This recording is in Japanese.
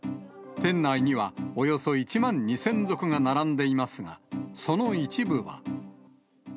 店内にはおよそ１万２０００足が並んでいますが、その一部は。